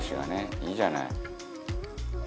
いいじゃない。